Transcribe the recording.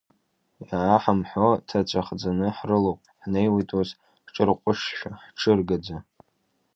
Иаҳамҳәо ҭаҵәахӡаны ҳрылоуп, ҳнеиуеит ус, ҳҽырҟәышшәа, ҳҽыргаӡа.